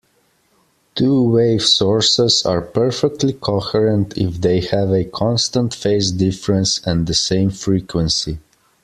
Two-wave sources are perfectly coherent if they have a constant phase difference and the same frequency.